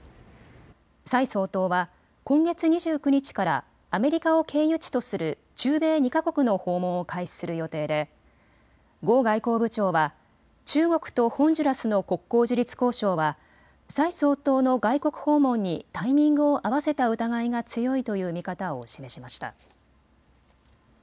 蔡総統は今月２９日からアメリカを経由地とする中米２か国の訪問を開始する予定で呉外交部長は中国とホンジュラスの国交樹立交渉は蔡総統の外国訪問にタイミングを合わせた疑いが強いという見方を示しました。